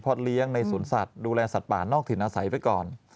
เพราะเลี้ยงในสวนสัตว์ดูแลสัตว์ป่านอกถิ่นอาศัยไปก่อน